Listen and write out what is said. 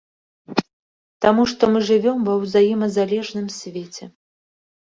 Таму што мы жывём ва ўзаемазалежным свеце.